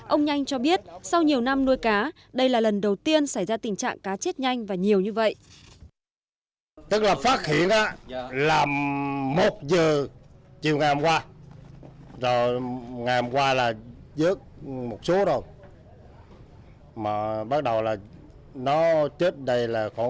ông nhanh cho biết sau nhiều năm nuôi cá đây là lần đầu tiên xảy ra tình trạng cá chết nhanh và nhiều như vậy